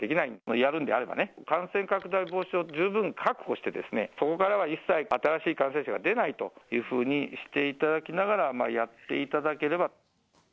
やるんであれば、感染拡大防止を十分確保してですね、そこからは一切新しい感染者が出ないというふうにしていただきながらやっていただければ。